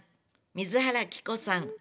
水原希子さん